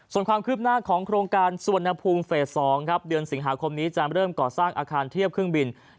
ส่วนความคืบหน้าของโครงการสวนภูมิเฟส๒ครับเดือนสิงหาคมนี้จะเริ่มก่อสร้างอาคารเทียบเครื่องบิน